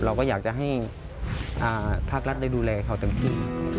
เราก็อยากจะให้ภาครัฐได้ดูแลเขาเต็มที่